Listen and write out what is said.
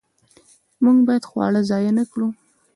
موږ باید خواړه ضایع نه کړو.